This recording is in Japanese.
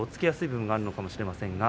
やすい部分があるのかもしれません。